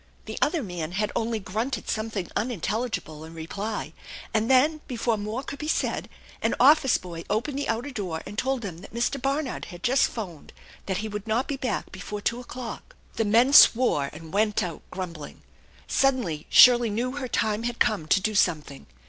The other man had only grunted something unintelligible in reply, and then before more could be said an office boy opened the outer door and told them that Mr. Barnard had just phoned that he would not be back before two o'clock. The men swore and went out grumbling. Suddenly Shirley knew her time had come to do something.